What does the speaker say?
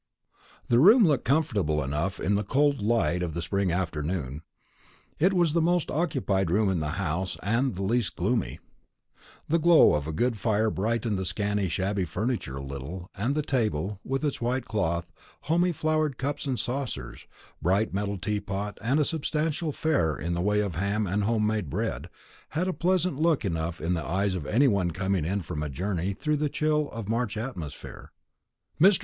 The room looked comfortable enough in the cold light of the spring afternoon. It was the most occupied room in the house, and the least gloomy. The glow of a good fire brightened the scanty shabby furniture a little, and the table, with its white cloth, homely flowered cups and saucers, bright metal teapot, and substantial fare in the way of ham and home made bread, had a pleasant look enough in the eyes of any one coming in from a journey through the chill March atmosphere. Mr.